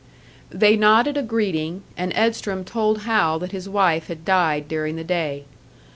They nodded a greeting, and Edstrom told Hal that his wife had died during the day.